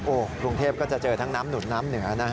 กรุงเทพก็จะเจอทั้งน้ำหนุนน้ำเหนือนะฮะ